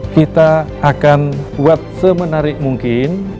kita akan buat semenarik mungkin